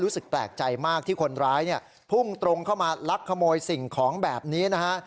รู้สึกแปลกใจมากที่คนร้ายเนี่ยพุ่งตรงเข้ามาลักขโมยสิ่งของแบบนี้นะฮะ